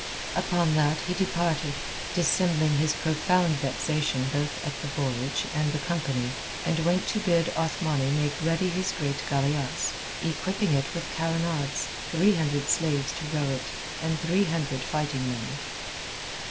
Upon that he departed, dissembling his profound vexation both at the voyage and the company, and went to bid Othmani make ready his great galeasse, equipping it with carronades, three hundred slaves to row it, and three hundred fighting men.